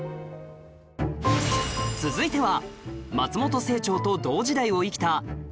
続いては